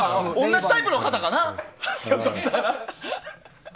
同じタイプの型かな？